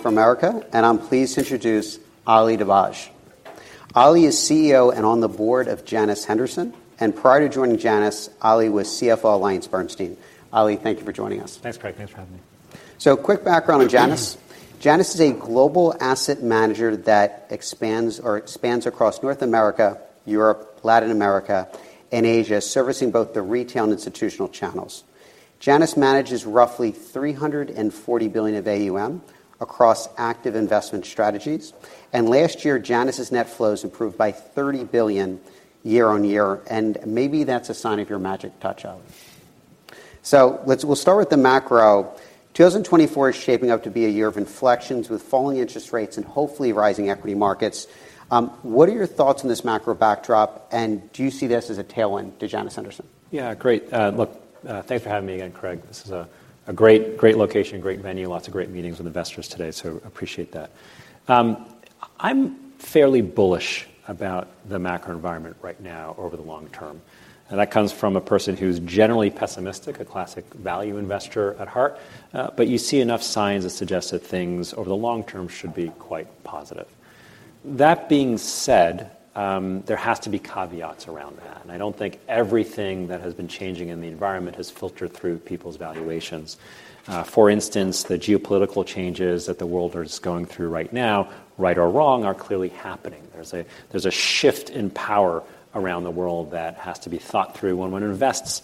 From America, and I'm pleased to introduce Ali Dibadj. Ali is Chief Executive Officer and on the board of Janus Henderson, and prior to joining Janus, Ali was Chief Financial Officer AllianceBernstein. Ali, thank you for joining us. Thanks, Craig. Thanks for having me. Quick background on Janus. Janus is a global asset manager that expands across North America, Europe, Latin America, and Asia, servicing both the retail and institutional channels. Janus manages roughly $340 billion of AUM across active investment strategies, and last year Janus's net flows improved by $30 billion year-over-year, and maybe that's a sign of your magic touch, Ali. We'll start with the macro. 2024 is shaping up to be a year of inflections with falling interest rates and hopefully rising equity markets. What are your thoughts on this macro backdrop, and do you see this as a tailwind to Janus Henderson? Yeah, great. Look, thanks for having me again, Craig. This is a great location, great venue, lots of great meetings with investors today, so appreciate that. I'm fairly bullish about the macro environment right now over the long term, and that comes from a person who's generally pessimistic, a classic value investor at heart, but you see enough signs that suggest that things over the long term should be quite positive. That being said, there has to be caveats around that, and I don't think everything that has been changing in the environment has filtered through people's valuations. For instance, the geopolitical changes that the world is going through right now, right or wrong, are clearly happening. There's a shift in power around the world that has to be thought through when one invests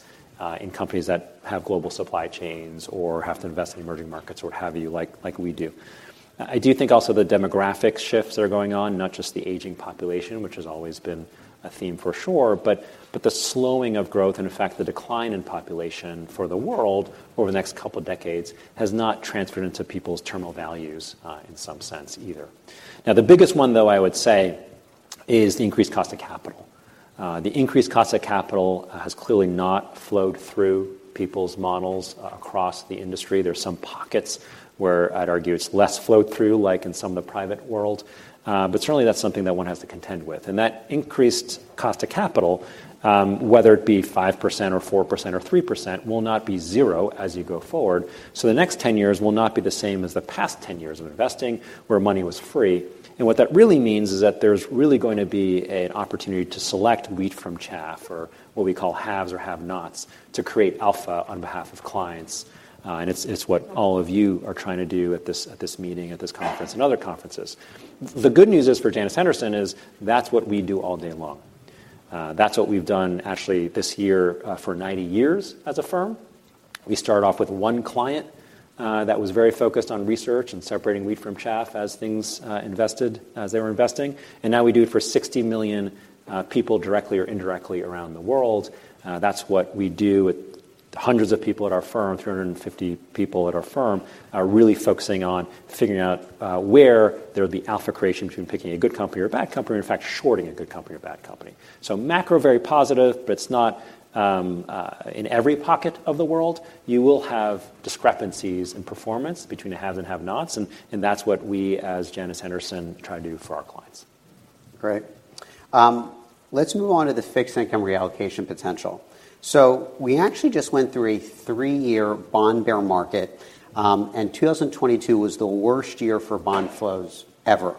in companies that have global supply chains or have to invest in emerging markets or what have you, like we do. I do think also the demographic shifts that are going on, not just the aging population, which has always been a theme for sure, but the slowing of growth and, in fact, the decline in population for the world over the next couple of decades has not transferred into people's terminal values in some sense either. Now, the biggest one, though, I would say is the increased cost of capital. The increased cost of capital has clearly not flowed through people's models across the industry. There's some pockets where I'd argue it's less flowed through, like in some of the private world, but certainly that's something that one has to contend with. And that increased cost of capital, whether it be 5% or 4% or 3%, will not be zero as you go forward. So the next 10 years will not be the same as the past 10 years of investing where money was free. And what that really means is that there's really going to be an opportunity to select wheat from chaff or what we call haves or have-nots to create alpha on behalf of clients. And it's what all of you are trying to do at this meeting, at this conference, and other conferences. The good news is for Janus Henderson is that's what we do all day long. That's what we've done actually this year for 90 years as a firm. We started off with one client that was very focused on research and separating wheat from chaff as things invested as they were investing, and now we do it for 60 million people directly or indirectly around the world. That's what we do with hundreds of people at our firm. 350 people at our firm are really focusing on figuring out where there would be alpha creation between picking a good company or a bad company or, in fact, shorting a good company or bad company. So macro very positive, but it's not in every pocket of the world. You will have discrepancies in performance between the haves and have-nots, and that's what we as Janus Henderson try to do for our clients. Great. Let's move on to the fixed income reallocation potential. So we actually just went through a 3-year bond bear market, and 2022 was the worst year for bond flows ever.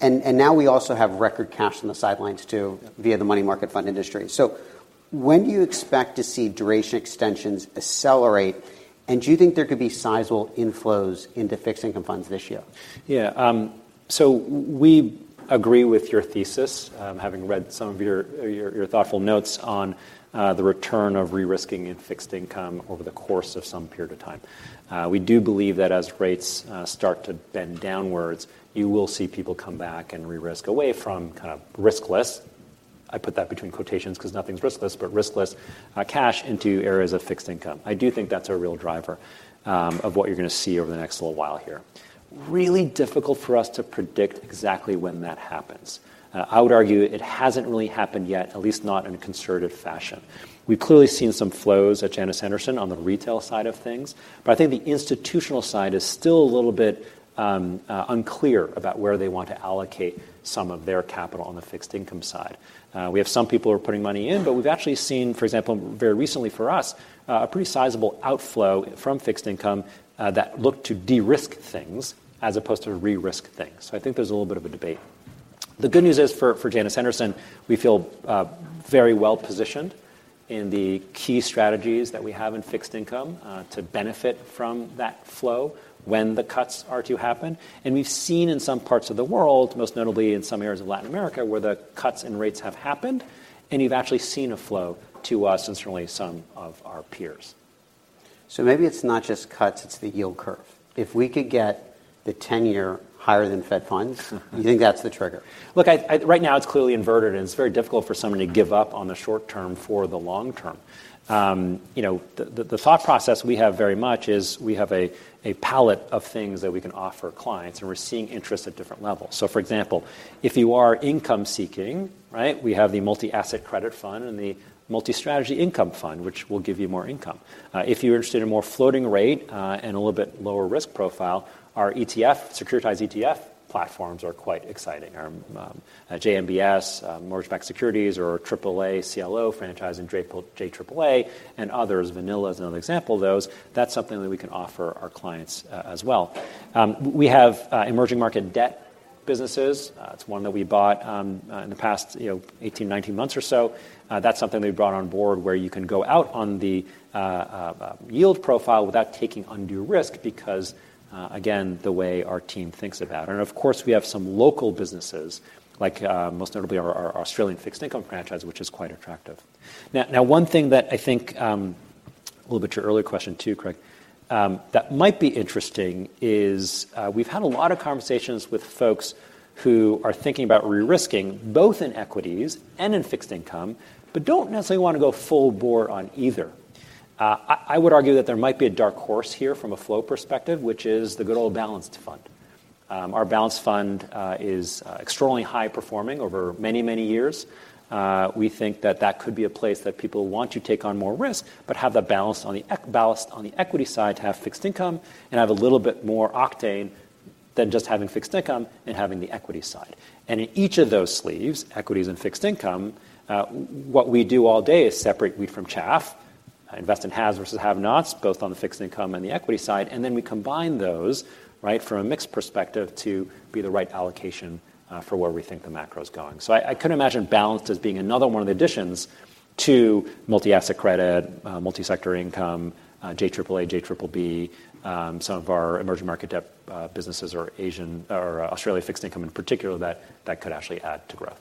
And now we also have record cash on the sidelines too via the money market fund industry. So when do you expect to see duration extensions accelerate, and do you think there could be sizable inflows into fixed income funds this year? Yeah. So we agree with your thesis, having read some of your thoughtful notes on the return of re-risking in fixed income over the course of some period of time. We do believe that as rates start to bend downwards, you will see people come back and re-risk away from kind of "riskless." I put that between quotations because nothing's riskless, but "riskless" cash into areas of fixed income. I do think that's a real driver of what you're going to see over the next little while here. Really difficult for us to predict exactly when that happens. I would argue it hasn't really happened yet, at least not in a concerted fashion. We've clearly seen some flows at Janus Henderson on the retail side of things, but I think the institutional side is still a little bit unclear about where they want to allocate some of their capital on the fixed income side. We have some people who are putting money in, but we've actually seen, for example, very recently for us, a pretty sizable outflow from fixed income that looked to de-risk things as opposed to re-risk things. So I think there's a little bit of a debate. The good news is for Janus Henderson, we feel very well positioned in the key strategies that we have in fixed income to benefit from that flow when the cuts are to happen. We've seen in some parts of the world, most notably in some areas of Latin America, where the cuts in rates have happened, and you've actually seen a flow to us and certainly some of our peers. Maybe it's not just cuts, it's the yield curve. If we could get the 10-year higher than Fed funds, do you think that's the trigger? Look, right now it's clearly inverted, and it's very difficult for someone to give up on the short term for the long term. The thought process we have very much is we have a palette of things that we can offer clients, and we're seeing interest at different levels. So for example, if you are income seeking, we have the Multi-Asset Credit Fund and the Multi-Strategy Income Fund, which will give you more income. If you're interested in a more floating rate and a little bit lower risk profile, our ETF, securitized ETF platforms are quite exciting. Our JMBS, mortgage-backed securities, or AAA CLO franchise, JAAA, and others, Vanilla is another example, though. That's something that we can offer our clients as well. We have emerging market debt businesses. It's one that we bought in the past 18-19 months or so. That's something that we brought on board where you can go out on the yield profile without taking undue risk because, again, the way our team thinks about it. And of course, we have some local businesses, like most notably our Australian fixed income franchise, which is quite attractive. Now, one thing that I think a little bit to your earlier question too, Craig, that might be interesting is we've had a lot of conversations with folks who are thinking about re-risking both in equities and in fixed income but don't necessarily want to go full bore on either. I would argue that there might be a dark horse here from a flow perspective, which is the good old Balanced Fund. Our Balanced Fund is extraordinarily high performing over many, many years. We think that that could be a place that people want to take on more risk but have that balance on the equity side to have fixed income and have a little bit more octane than just having fixed income and having the equity side. And in each of those sleeves, equities and fixed income, what we do all day is separate wheat from chaff, invest in haves versus have-nots, both on the fixed income and the equity side, and then we combine those from a mixed perspective to be the right allocation for where we think the macro is going. So I couldn't imagine Balanced as being another one of the additions to Multi-Asset Credit, Multi-Sector Income, JAAA, JAAB. Some of our emerging market debt businesses are Asian or Australian fixed income in particular that could actually add to growth.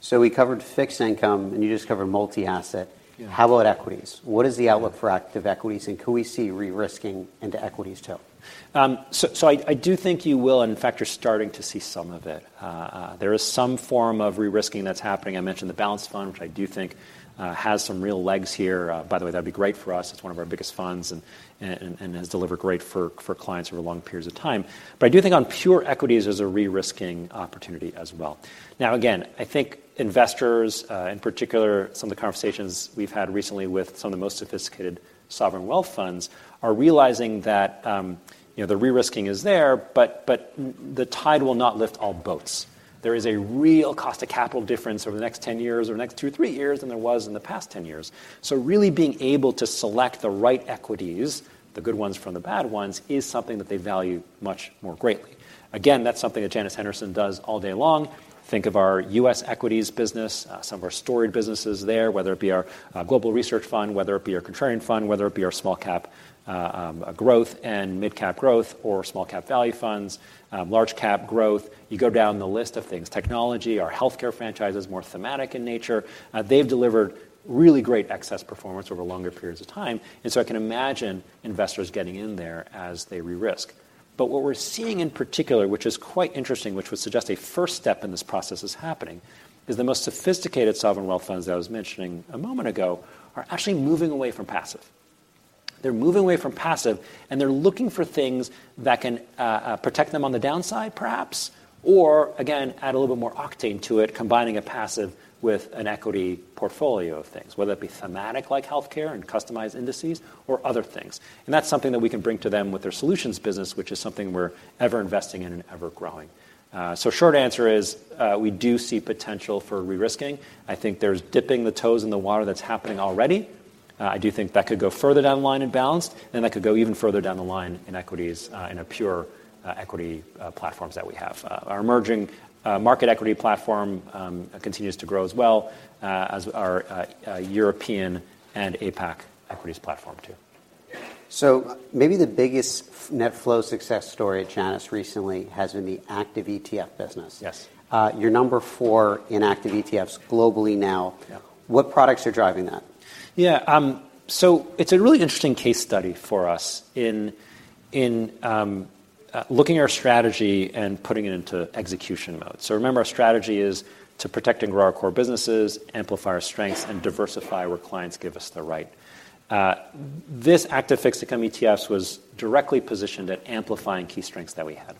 So we covered fixed income, and you just covered multi-asset. How about equities? What is the outlook for active equities, and could we see re-risking into equities too? So I do think you will, and in fact, you're starting to see some of it. There is some form of re-risking that's happening. I mentioned the Balanced Fund, which I do think has some real legs here. By the way, that would be great for us. It's one of our biggest funds and has delivered great for clients over long periods of time. But I do think on pure equities there's a re-risking opportunity as well. Now, again, I think investors in particular, some of the conversations we've had recently with some of the most sophisticated sovereign wealth funds are realizing that the re-risking is there, but the tide will not lift all boats. There is a real cost of capital difference over the next 10 years or the next two, three years than there was in the past 10 years. So really being able to select the right equities, the good ones from the bad ones, is something that they value much more greatly. Again, that's something that Janus Henderson does all day long. Think of our U.S. equities business, some of our storage businesses there, whether it be our Global Research Fund, whether it be our Contrarian Fund, whether it be our Small Cap Growth and Mid-Cap Growth or Small Cap Value Funds, Large Cap Growth. You go down the list of things. Technology, our Healthcare Franchise is more thematic in nature. They've delivered really great excess performance over longer periods of time, and so I can imagine investors getting in there as they re-risk. But what we're seeing in particular, which is quite interesting, which would suggest a first step in this process is happening, is the most sophisticated sovereign wealth funds that I was mentioning a moment ago are actually moving away from passive. They're moving away from passive, and they're looking for things that can protect them on the downside, perhaps, or again, add a little bit more octane to it, combining a passive with an equity portfolio of things, whether it be thematic like healthcare and customized indices or other things. And that's something that we can bring to them with their solutions business, which is something we're ever investing in and ever growing. So short answer is we do see potential for re-risking. I think there's dipping the toes in the water that's happening already. I do think that could go further down the line in balanced, and that could go even further down the line in equities in our pure equity platforms that we have. Our emerging market equity platform continues to grow as well as our European and APAC equities platform too. Maybe the biggest net flow success story at Janus recently has been the active ETF business. You're number four in active ETFs globally now. What products are driving that? Yeah. So it's a really interesting case study for us in looking at our strategy and putting it into execution mode. So remember, our strategy is to protect and grow our core businesses, amplify our strengths, and diversify where clients give us the right. This active fixed income ETFs was directly positioned at amplifying key strengths that we had.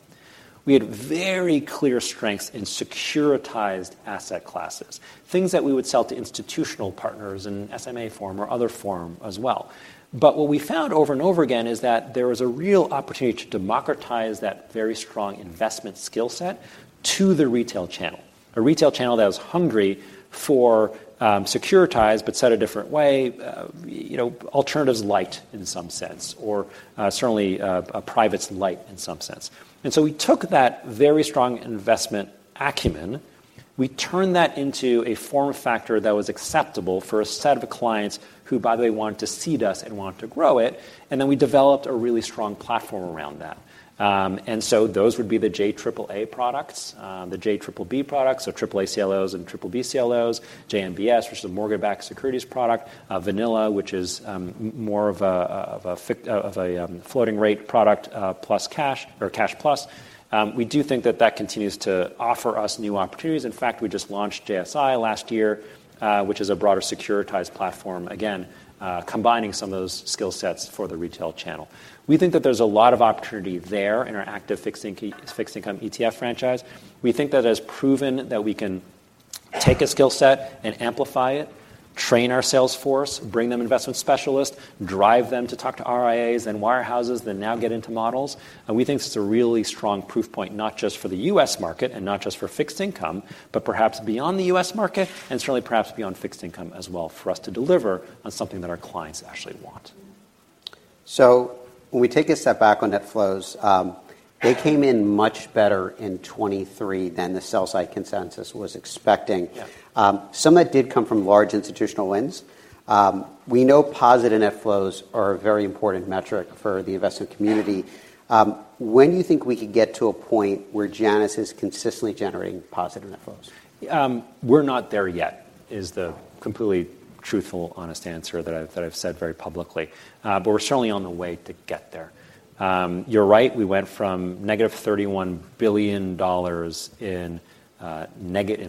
We had very clear strengths in securitized asset classes, things that we would sell to institutional partners in SMA form or other form as well. But what we found over and over again is that there was a real opportunity to democratize that very strong investment skill set to the retail channel, a retail channel that was hungry for securitized but said a different way, alternatives light in some sense, or certainly privates light in some sense. And so we took that very strong investment acumen. We turned that into a form factor that was acceptable for a set of clients who, by the way, wanted to seed us and wanted to grow it. And then we developed a really strong platform around that. And so those would be the JAAA products, the JAAB products, so AAA CLOs and BBB CLOs, JMBS, which is a mortgage-backed securities product, Vanilla, which is more of a floating rate product plus cash or cash plus. We do think that that continues to offer us new opportunities. In fact, we just launched JSI last year, which is a broader securitized platform, again, combining some of those skill sets for the retail channel. We think that there's a lot of opportunity there in our active fixed income ETF franchise. We think that it has proven that we can take a skill set and amplify it, train our sales force, bring them investment specialists, drive them to talk to RIAs and wirehouses, then now get into models. We think it's a really strong proof point, not just for the U.S. market and not just for fixed income, but perhaps beyond the U.S. market and certainly perhaps beyond fixed income as well for us to deliver on something that our clients actually want. So when we take a step back on net flows, they came in much better in 2023 than the sell-side consensus was expecting. Some of that did come from large institutional wins. We know positive net flows are a very important metric for the investment community. When do you think we could get to a point where Janus is consistently generating positive net flows? We're not there yet is the completely truthful, honest answer that I've said very publicly, but we're certainly on the way to get there. You're right. We went from negative $31 billion in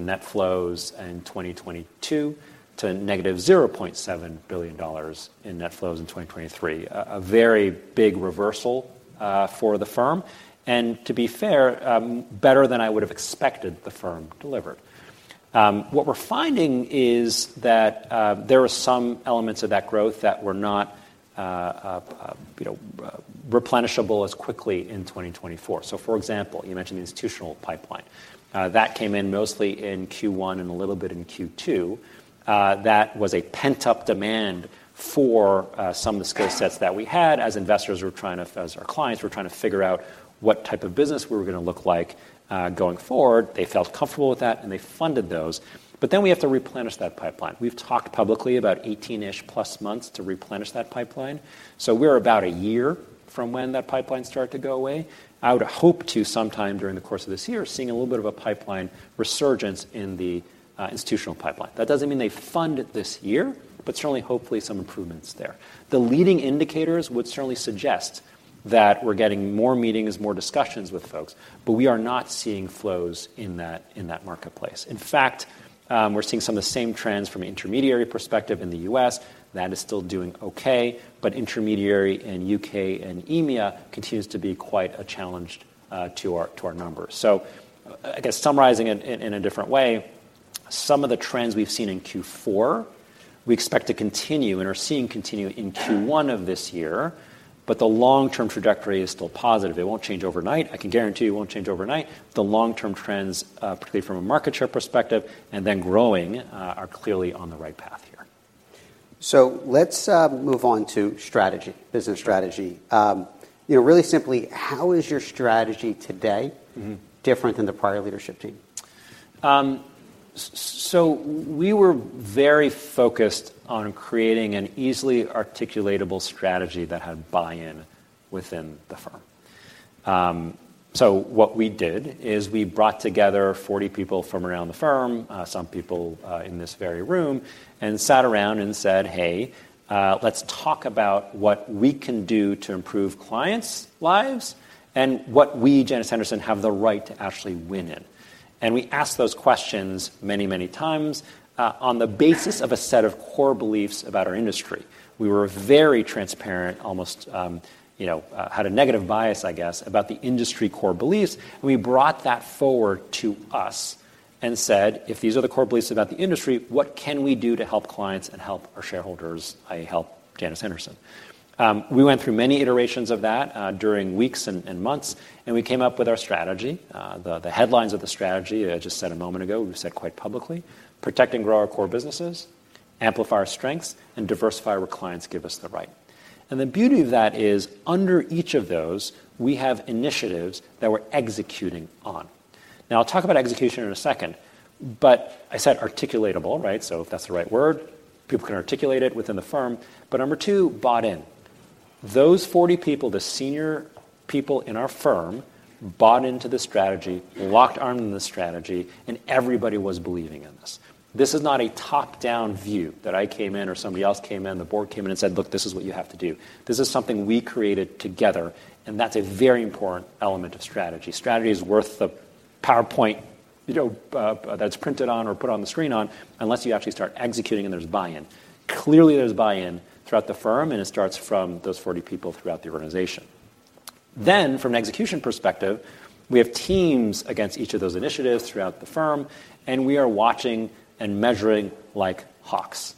net flows in 2022 to negative $0.7 billion in net flows in 2023, a very big reversal for the firm. And to be fair, better than I would have expected the firm delivered. What we're finding is that there are some elements of that growth that were not replenishable as quickly in 2024. So for example, you mentioned the institutional pipeline. That came in mostly in Q1 and a little bit in Q2. That was a pent-up demand for some of the skill sets that we had, as our clients were trying to figure out what type of business we were going to look like going forward. They felt comfortable with that, and they funded those. But then we have to replenish that pipeline. We've talked publicly about 18-ish plus months to replenish that pipeline. So we're about a year from when that pipeline started to go away. I would hope to sometime during the course of this year seeing a little bit of a pipeline resurgence in the institutional pipeline. That doesn't mean they fund it this year, but certainly hopefully some improvements there. The leading indicators would certainly suggest that we're getting more meetings, more discussions with folks, but we are not seeing flows in that marketplace. In fact, we're seeing some of the same trends from an intermediary perspective in the U.S. That is still doing okay, but intermediary in U.K. and EMEA continues to be quite a challenge to our numbers. So I guess summarizing in a different way, some of the trends we've seen in Q4, we expect to continue and are seeing continue in Q1 of this year, but the long-term trajectory is still positive. It won't change overnight. I can guarantee it won't change overnight. The long-term trends, particularly from a market share perspective and then growing, are clearly on the right path here. Let's move on to strategy, business strategy. Really simply, how is your strategy today different than the prior leadership team? So we were very focused on creating an easily articulatable strategy that had buy-in within the firm. So what we did is we brought together 40 people from around the firm, some people in this very room, and sat around and said, "Hey, let's talk about what we can do to improve clients' lives and what we, Janus Henderson, have the right to actually win in." And we asked those questions many, many times on the basis of a set of core beliefs about our industry. We were very transparent, almost had a negative bias, I guess, about the industry core beliefs. We brought that forward to us and said, "If these are the core beliefs about the industry, what can we do to help clients and help our shareholders, i.e., help Janus Henderson?" We went through many iterations of that during weeks and months, and we came up with our strategy. The headlines of the strategy I just said a moment ago, we said quite publicly, "Protect and grow our core businesses, amplify our strengths, and diversify where clients give us the right." The beauty of that is under each of those, we have initiatives that we're executing on. Now, I'll talk about execution in a second, but I said articulatable, right? So if that's the right word, people can articulate it within the firm. Number two, bought in. Those 40 people, the senior people in our firm, bought into the strategy, locked arms in the strategy, and everybody was believing in this. This is not a top-down view that I came in or somebody else came in, the board came in and said, "Look, this is what you have to do. This is something we created together, and that's a very important element of strategy." Strategy is worth the PowerPoint that's printed on or put on the screen on unless you actually start executing and there's buy-in. Clearly, there's buy-in throughout the firm, and it starts from those 40 people throughout the organization. Then from an execution perspective, we have teams against each of those initiatives throughout the firm, and we are watching and measuring like hawks.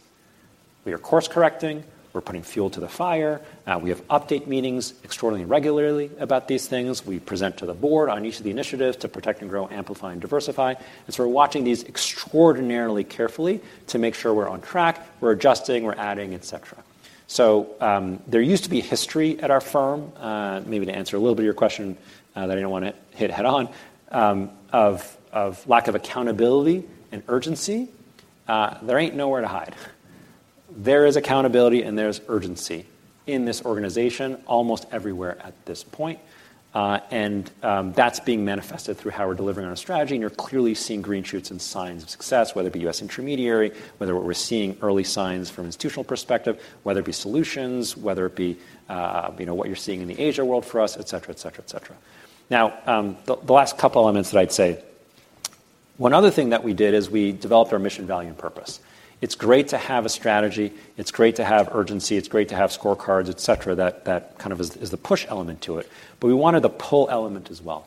We are course-correcting. We're putting fuel to the fire. We have update meetings extraordinarily regularly about these things. We present to the board on each of the initiatives to protect and grow, amplify, and diversify. So we're watching these extraordinarily carefully to make sure we're on track. We're adjusting. We're adding, etc. So there used to be history at our firm, maybe to answer a little bit of your question that I don't want to hit head-on, of lack of accountability and urgency. There ain't nowhere to hide. There is accountability, and there's urgency in this organization almost everywhere at this point. And that's being manifested through how we're delivering on our strategy. And you're clearly seeing green shoots and signs of success, whether it be U.S. intermediary, whether we're seeing early signs from an institutional perspective, whether it be solutions, whether it be what you're seeing in the Asia world for us, etc., etc., etc. Now, the last couple of elements that I'd say, one other thing that we did is we developed our mission, value, and purpose. It's great to have a strategy. It's great to have urgency. It's great to have scorecards, etc., that kind of is the push element to it. But we wanted the pull element as well.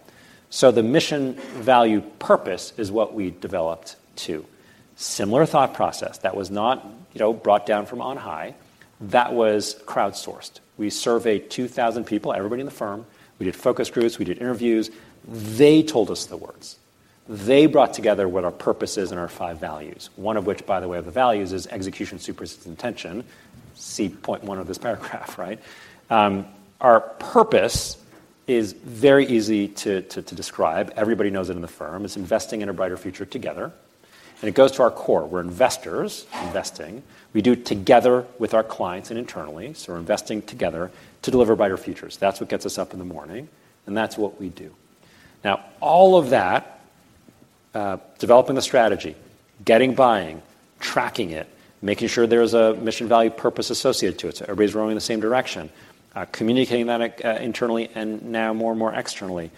So the mission, value, purpose is what we developed too. Similar thought process. That was not brought down from on high. That was crowdsourced. We surveyed 2,000 people, everybody in the firm. We did focus groups. We did interviews. They told us the words. They brought together what our purpose is and our five values, one of which, by the way, of the values is execution, supervision, intention. See point one of this paragraph, right? Our purpose is very easy to describe. Everybody knows it in the firm. It's investing in a brighter future together. It goes to our core. We're investors, investing. We do together with our clients and internally. So we're investing together to deliver brighter futures. That's what gets us up in the morning, and that's what we do. Now, all of that, developing the strategy, getting buy-in, tracking it, making sure there's a mission, value, purpose associated to it, so everybody's rowing in the same direction, communicating that internally and now more and more externally,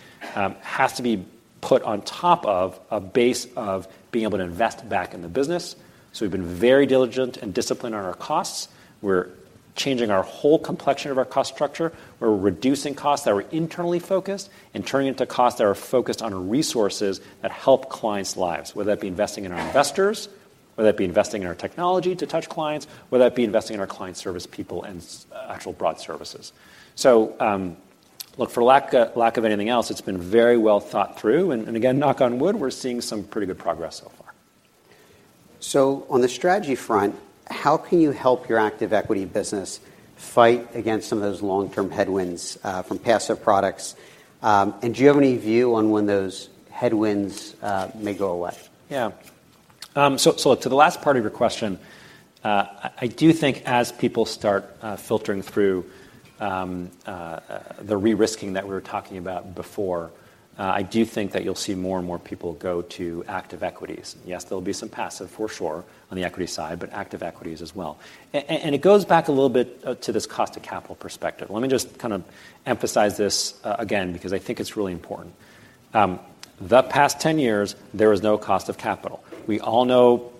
has to be put on top of a base of being able to invest back in the business. So we've been very diligent and disciplined on our costs. We're changing our whole complexion of our cost structure. We're reducing costs that are internally focused and turning into costs that are focused on resources that help clients' lives, whether that be investing in our investors, whether that be investing in our technology to touch clients, whether that be investing in our client service, people, and actual broad services. So look, for lack of anything else, it's been very well thought through. And again, knock on wood, we're seeing some pretty good progress so far. On the strategy front, how can you help your active equity business fight against some of those long-term headwinds from passive products? Do you have any view on when those headwinds may go away? Yeah. So to the last part of your question, I do think as people start filtering through the re-risking that we were talking about before, I do think that you'll see more and more people go to active equities. Yes, there'll be some passive for sure on the equity side, but active equities as well. And it goes back a little bit to this cost of capital perspective. Let me just kind of emphasize this again because I think it's really important. The past 10 years, there was no cost of capital. We all know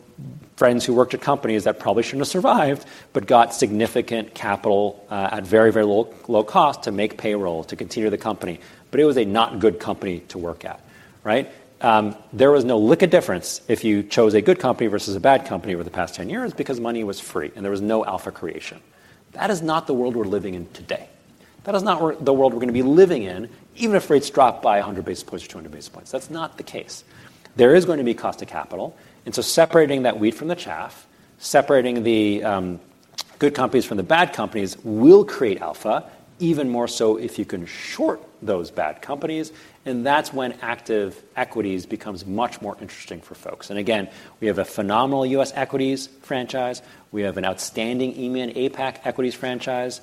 friends who worked at companies that probably shouldn't have survived but got significant capital at very, very low cost to make payroll, to continue the company. But it was a not good company to work at, right? There was no lick of difference if you chose a good company versus a bad company over the past 10 years because money was free, and there was no alpha creation. That is not the world we're living in today. That is not the world we're going to be living in, even if rates drop by 100 basis points or 200 basis points. That's not the case. There is going to be cost of capital. And so separating that wheat from the chaff, separating the good companies from the bad companies will create alpha, even more so if you can short those bad companies. And that's when active equities becomes much more interesting for folks. And again, we have a phenomenal U.S. equities franchise. We have an outstanding EMEA and APAC equities franchise.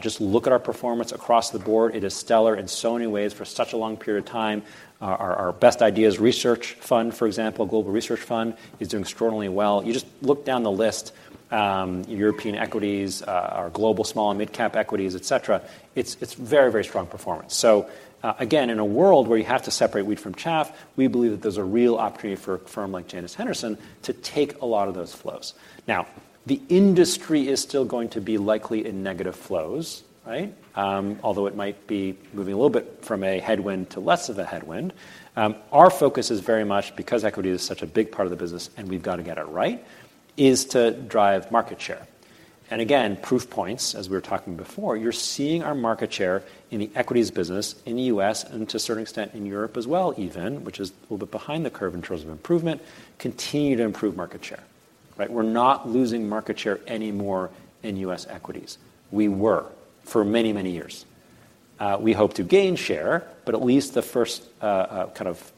Just look at our performance across the board. It is stellar in so many ways for such a long period of time. Our best ideas research fund, for example, Global Research Fund, is doing extraordinarily well. You just look down the list, European equities, our global small and mid-cap equities, etc. It's very, very strong performance. So again, in a world where you have to separate wheat from chaff, we believe that there's a real opportunity for a firm like Janus Henderson to take a lot of those flows. Now, the industry is still going to be likely in negative flows, right? Although it might be moving a little bit from a headwind to less of a headwind, our focus is very much, because equity is such a big part of the business and we've got to get it right, is to drive market share. And again, proof points, as we were talking before, you're seeing our market share in the equities business in the U.S. and to a certain extent in Europe as well even, which is a little bit behind the curve in terms of improvement, continue to improve market share, right? We're not losing market share anymore in U.S. equities. We were for many, many years. We hope to gain share, but at least the first kind of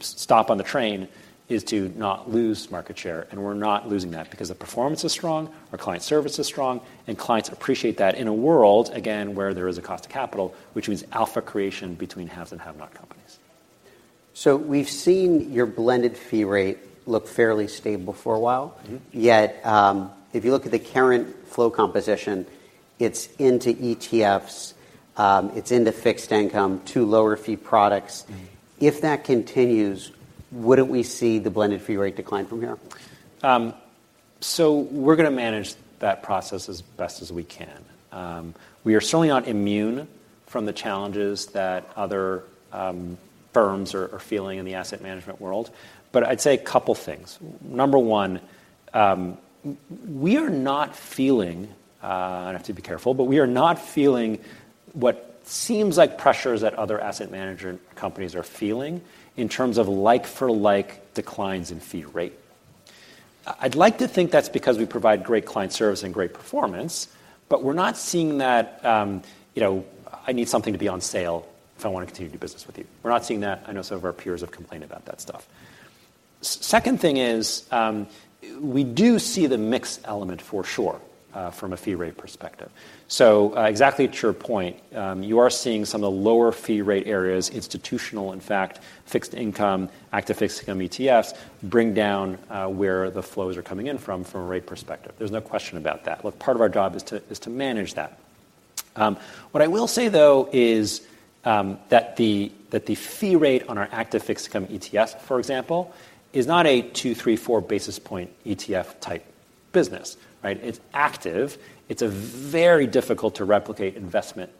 stop on the train is to not lose market share. And we're not losing that because the performance is strong, our client service is strong, and clients appreciate that in a world, again, where there is a cost of capital, which means alpha creation between haves and have-not companies. We've seen your blended fee rate look fairly stable for a while. Yet if you look at the current flow composition, it's into ETFs. It's into fixed income, to lower fee products. If that continues, wouldn't we see the blended fee rate decline from here? So we're going to manage that process as best as we can. We are certainly not immune from the challenges that other firms are feeling in the asset management world. But I'd say a couple of things. Number one, we are not feeling. I have to be careful, but we are not feeling what seems like pressures that other asset management companies are feeling in terms of like-for-like declines in fee rate. I'd like to think that's because we provide great client service and great performance, but we're not seeing that. I need something to be on sale if I want to continue to do business with you. We're not seeing that. I know some of our peers have complained about that stuff. Second thing is we do see the mix element for sure from a fee rate perspective. So exactly to your point, you are seeing some of the lower fee rate areas, institutional, in fact, fixed income, active fixed income ETFs bring down where the flows are coming in from, from a rate perspective. There's no question about that. Look, part of our job is to manage that. What I will say, though, is that the fee rate on our active fixed income ETFs, for example, is not a 2, 3, 4 basis point ETF type business, right? It's active. It's a very difficult to replicate investment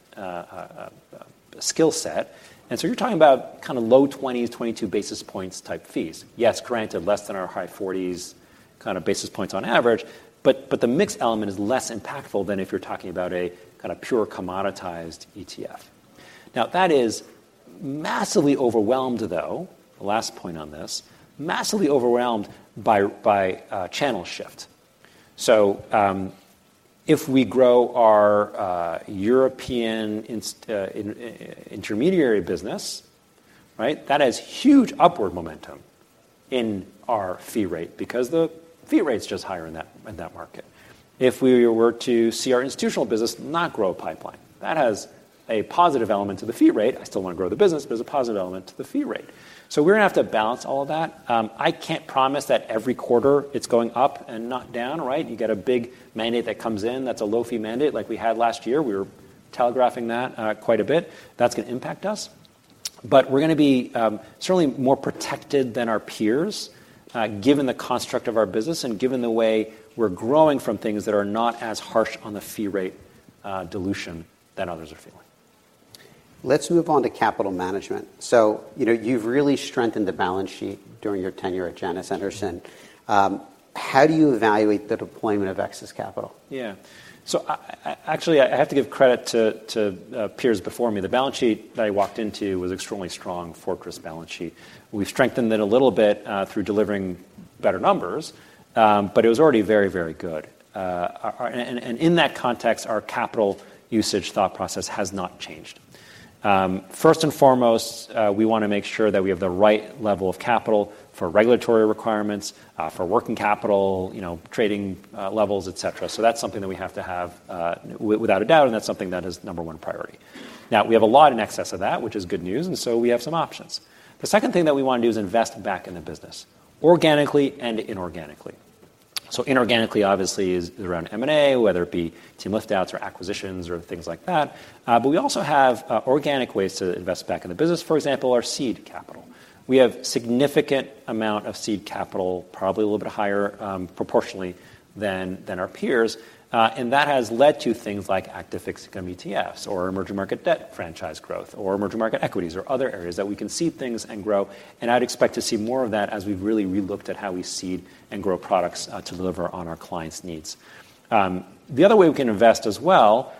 skill set. And so you're talking about kind of low 20s, 22 basis points type fees. Yes, granted, less than our high 40s kind of basis points on average, but the mix element is less impactful than if you're talking about a kind of pure commoditized ETF. Now, that is massively overwhelmed, though, the last point on this, massively overwhelmed by channel shift. So if we grow our European intermediary business, right, that has huge upward momentum in our fee rate because the fee rate's just higher in that market. If we were to see our institutional business not grow a pipeline, that has a positive element to the fee rate. I still want to grow the business, but there's a positive element to the fee rate. So we're going to have to balance all of that. I can't promise that every quarter it's going up and not down, right? You get a big mandate that comes in that's a low fee mandate like we had last year. We were telegraphing that quite a bit. That's going to impact us. But we're going to be certainly more protected than our peers given the construct of our business and given the way we're growing from things that are not as harsh on the fee rate dilution than others are feeling. Let's move on to capital management. So you've really strengthened the balance sheet during your tenure at Janus Henderson. How do you evaluate the deployment of excess capital? Yeah. So actually, I have to give credit to peers before me. The balance sheet that I walked into was an extraordinarily strong fortress balance sheet. We've strengthened it a little bit through delivering better numbers, but it was already very, very good. In that context, our capital usage thought process has not changed. First and foremost, we want to make sure that we have the right level of capital for regulatory requirements, for working capital, trading levels, etc. So that's something that we have to have without a doubt, and that's something that is number one priority. Now, we have a lot in excess of that, which is good news. So we have some options. The second thing that we want to do is invest back in the business organically and inorganically. So inorganically, obviously, is around M&A, whether it be team liftouts or acquisitions or things like that. But we also have organic ways to invest back in the business. For example, our seed capital. We have a significant amount of seed capital, probably a little bit higher proportionally than our peers. And that has led to things like active fixed income ETFs or emerging market debt franchise growth or emerging market equities or other areas that we can seed things and grow. And I'd expect to see more of that as we've really relooked at how we seed and grow products to deliver on our clients' needs. The other way we can invest as well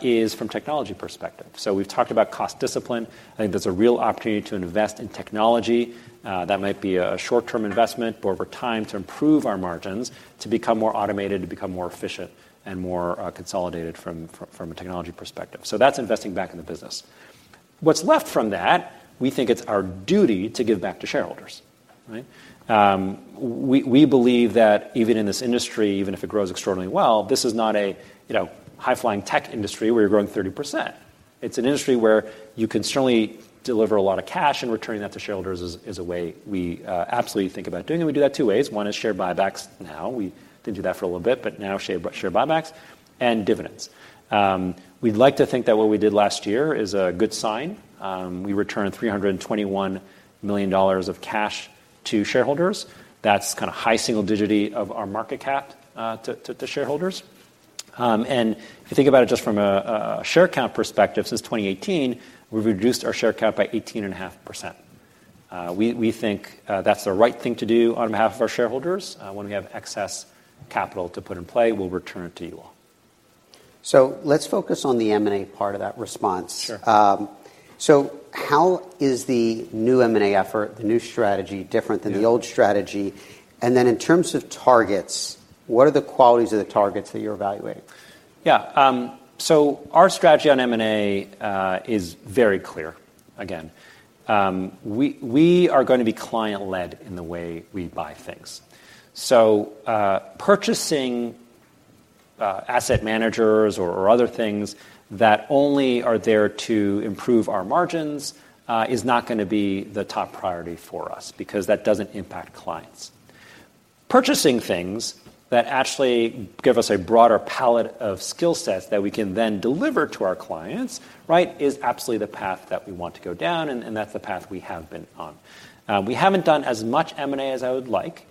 is from a technology perspective. So we've talked about cost discipline. I think that's a real opportunity to invest in technology. That might be a short-term investment, but over time to improve our margins, to become more automated, to become more efficient and more consolidated from a technology perspective. So that's investing back in the business. What's left from that, we think it's our duty to give back to shareholders, right? We believe that even in this industry, even if it grows extraordinarily well, this is not a high-flying tech industry where you're growing 30%. It's an industry where you can certainly deliver a lot of cash, and returning that to shareholders is a way we absolutely think about doing it. We do that two ways. One is share buybacks now. We didn't do that for a little bit, but now share buybacks and dividends. We'd like to think that what we did last year is a good sign. We returned $321 million of cash to shareholders. That's kind of high single digit of our market cap to shareholders. And if you think about it just from a share count perspective, since 2018, we've reduced our share count by 18.5%. We think that's the right thing to do on behalf of our shareholders. When we have excess capital to put in play, we'll return it to you all. Let's focus on the M&A part of that response. How is the new M&A effort, the new strategy, different than the old strategy? And then in terms of targets, what are the qualities of the targets that you're evaluating? Yeah. So our strategy on M&A is very clear. Again, we are going to be client-led in the way we buy things. So purchasing asset managers or other things that only are there to improve our margins is not going to be the top priority for us because that doesn't impact clients. Purchasing things that actually give us a broader palette of skill sets that we can then deliver to our clients, right, is absolutely the path that we want to go down, and that's the path we have been on. We haven't done as much M&A as I would like.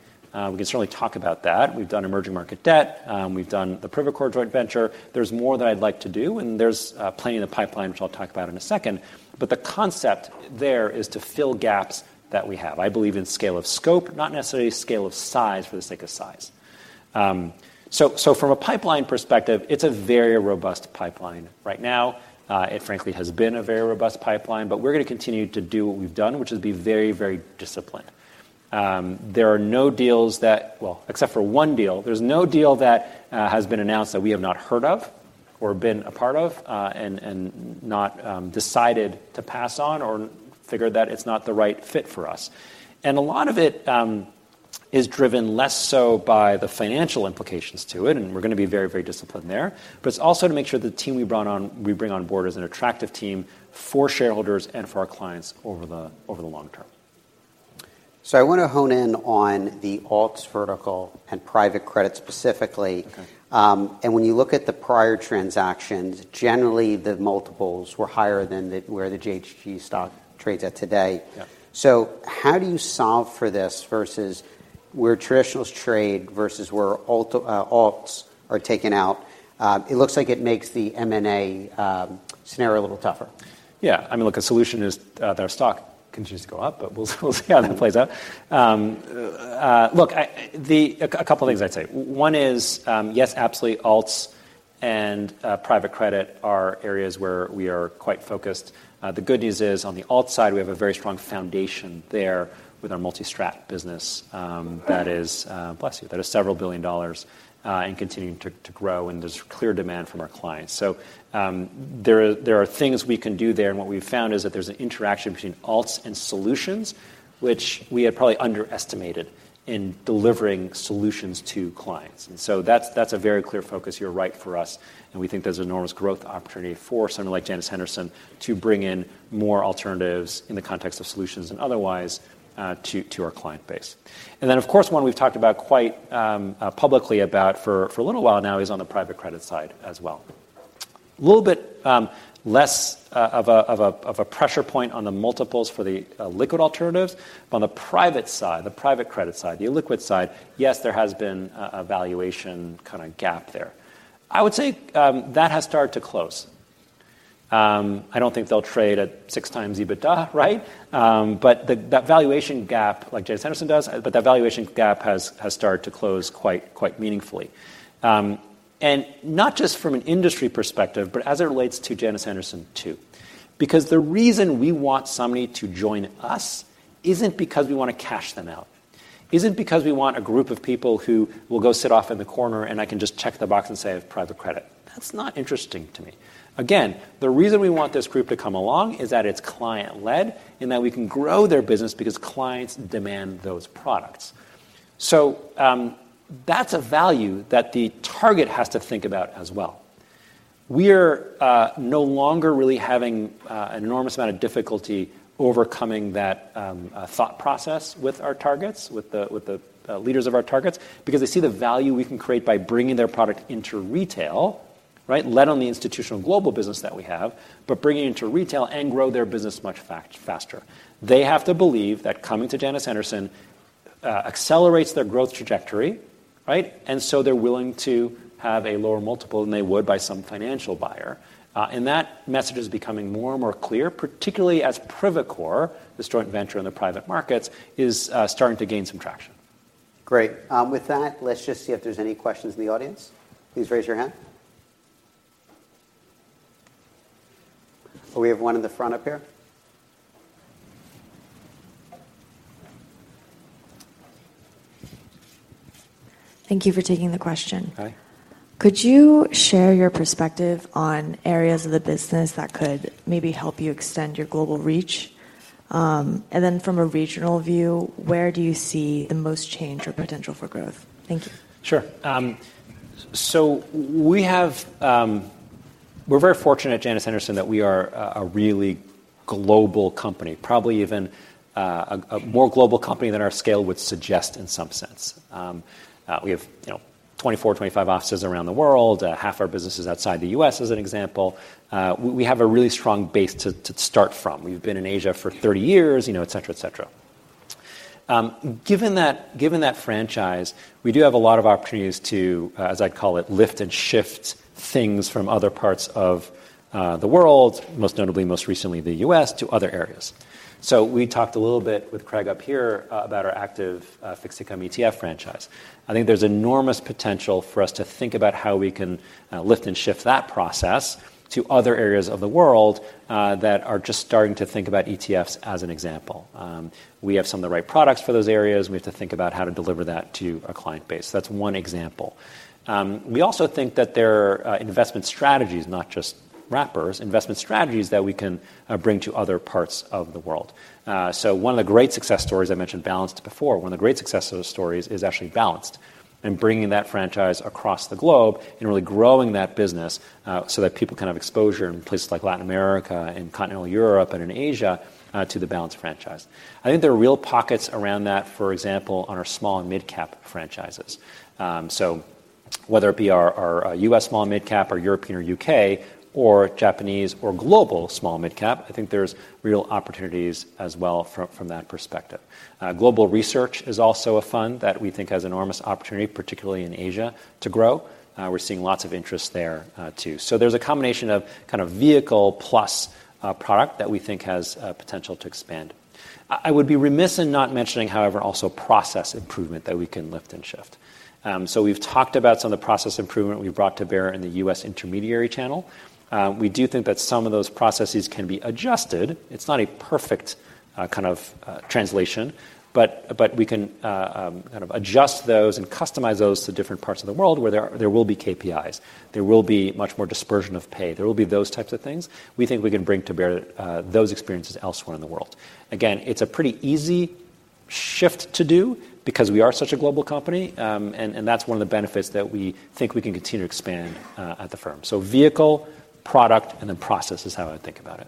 We can certainly talk about that. We've done emerging market debt. We've done the Privacore joint venture. There's more that I'd like to do, and there's plenty in the pipeline, which I'll talk about in a second. But the concept there is to fill gaps that we have. I believe in scale of scope, not necessarily scale of size for the sake of size. So from a pipeline perspective, it's a very robust pipeline right now. It, frankly, has been a very robust pipeline, but we're going to continue to do what we've done, which is be very, very disciplined. There are no deals that well, except for one deal, there's no deal that has been announced that we have not heard of or been a part of and not decided to pass on or figured that it's not the right fit for us. And a lot of it is driven less so by the financial implications to it, and we're going to be very, very disciplined there. But it's also to make sure the team we bring on board is an attractive team for shareholders and for our clients over the long term. I want to hone in on the alts vertical and private credit specifically. When you look at the prior transactions, generally, the multiples were higher than where the JHG stock trades at today. How do you solve for this versus where traditionals trade versus where alts are taken out? It looks like it makes the M&A scenario a little tougher. Yeah. I mean, look, a solution is that our stock continues to go up, but we'll see how that plays out. Look, a couple of things I'd say. One is, yes, absolutely, alts and private credit are areas where we are quite focused. The good news is, on the alt side, we have a very strong foundation there with our multi-strat business that is $several billion and continuing to grow, and there's clear demand from our clients. So there are things we can do there. And what we've found is that there's an interaction between alts and solutions, which we had probably underestimated in delivering solutions to clients. And so that's a very clear focus you're right for us. We think there's an enormous growth opportunity for someone like Janus Henderson to bring in more alternatives in the context of solutions and otherwise to our client base. And then, of course, one we've talked about quite publicly about for a little while now is on the private credit side as well. A little bit less of a pressure point on the multiples for the liquid alternatives. But on the private side, the private credit side, the illiquid side, yes, there has been a valuation kind of gap there. I would say that has started to close. I don't think they'll trade at 6x EBITDA, right? But that valuation gap, like Janus Henderson does, but that valuation gap has started to close quite meaningfully. And not just from an industry perspective, but as it relates to Janus Henderson too. Because the reason we want somebody to join us isn't because we want to cash them out, isn't because we want a group of people who will go sit off in the corner and I can just check the box and say I have private credit. That's not interesting to me. Again, the reason we want this group to come along is that it's client-led in that we can grow their business because clients demand those products. So that's a value that the target has to think about as well. We are no longer really having an enormous amount of difficulty overcoming that thought process with our targets, with the leaders of our targets, because they see the value we can create by bringing their product into retail, right, let alone the institutional global business that we have, but bringing it into retail and grow their business much faster. They have to believe that coming to Janus Henderson accelerates their growth trajectory, right? And so they're willing to have a lower multiple than they would by some financial buyer. And that message is becoming more and more clear, particularly as Privacore, this joint venture in the private markets, is starting to gain some traction. Great. With that, let's just see if there's any questions in the audience. Please raise your hand. Oh, we have one in the front up here. Thank you for taking the question. Could you share your perspective on areas of the business that could maybe help you extend your global reach? And then from a regional view, where do you see the most change or potential for growth? Thank you. Sure. So we're very fortunate at Janus Henderson that we are a really global company, probably even a more global company than our scale would suggest in some sense. We have 24 to 25 offices around the world. Half our business is outside the U.S., as an example. We have a really strong base to start from. We've been in Asia for 30 years, etc., etc. Given that franchise, we do have a lot of opportunities to, as I'd call it, lift and shift things from other parts of the world, most notably, most recently, the U.S. to other areas. So we talked a little bit with Craig up here about our active fixed income ETF franchise. I think there's enormous potential for us to think about how we can lift and shift that process to other areas of the world that are just starting to think about ETFs as an example. We have some of the right products for those areas. We have to think about how to deliver that to our client base. So that's one example. We also think that there are investment strategies, not just wrappers, investment strategies that we can bring to other parts of the world. So one of the great success stories I mentioned Balanced before, one of the great success stories is actually Balanced and bringing that franchise across the globe and really growing that business so that people can have exposure in places like Latin America and continental Europe and in Asia to the Balanced franchise. I think there are real pockets around that, for example, on our small and mid-cap franchises. So whether it be our U.S. small and mid-cap or European or U.K. or Japanese or global small and mid-cap, I think there's real opportunities as well from that perspective. Global Research is also a fund that we think has enormous opportunity, particularly in Asia, to grow. We're seeing lots of interest there too. So there's a combination of kind of vehicle plus product that we think has potential to expand. I would be remiss in not mentioning, however, also process improvement that we can lift and shift. So we've talked about some of the process improvement we've brought to bear in the U.S. intermediary channel. We do think that some of those processes can be adjusted. It's not a perfect kind of translation, but we can kind of adjust those and customize those to different parts of the world where there will be KPIs. There will be much more dispersion of pay. There will be those types of things we think we can bring to bear those experiences elsewhere in the world. Again, it's a pretty easy shift to do because we are such a global company, and that's one of the benefits that we think we can continue to expand at the firm. So vehicle, product, and then process is how I think about it.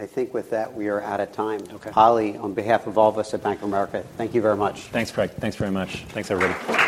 I think with that, we are out of time. Ali, on behalf of all of us at Bank of America, thank you very much. Thanks, Craig. Thanks very much. Thanks, everybody.